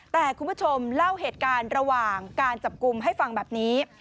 แต่คุณผู้ชมเล่าเหตุการณ์ระหว่างการจับกลุ่มให้ฟังแบบนี้